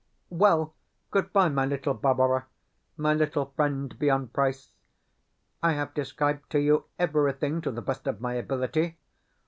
Well, good bye, my little Barbara, my little friend beyond price. I have described to you everything to the best of my ability.